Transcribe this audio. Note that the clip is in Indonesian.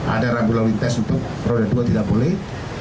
ada rambu lalu lintas untuk roda dua tidak boleh